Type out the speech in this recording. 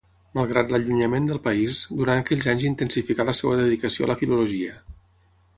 Malgrat l'allunyament del país, durant aquells anys intensificà la seva dedicació a la filologia.